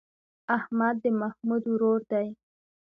احمد د محمود ورور دی.